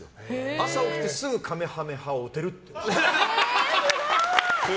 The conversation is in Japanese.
朝起きてすぐ、かめはめ波を打てるって。